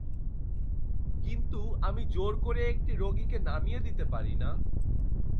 কিন্তু আমি আমার জোর করে একটি রোগীকে নামিয়ে দিতে পারি না।